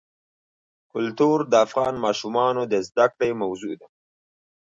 کلتور د افغان ماشومانو د زده کړې موضوع ده.